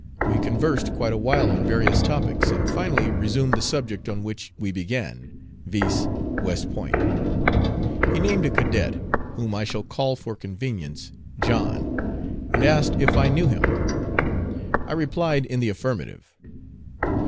We conversed quite a while on various topics, and finally resumed the subject on which we began, viz., West Point. He named a cadet, whom I shall call for convenience John, and asked if I knew him. I replied in the affirmative.